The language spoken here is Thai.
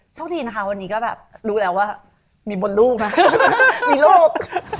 โชคดีนะคะวันนี้ก็แบบรู้แล้วว่ามีบนลูกนะมีลูก